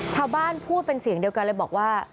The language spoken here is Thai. ชาวบ้านพูดเป็นเสียงเดียวกันเลยบอกว่า